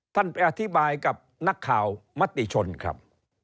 ไปอธิบายกับนักข่าวมติชนครับ